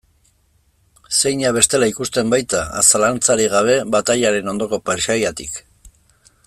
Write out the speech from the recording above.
Zeina bestela ikusten baita, zalantzarik gabe, batailaren ondoko paisaiatik.